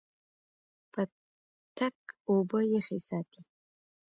پتک اوبه یخې ساتي.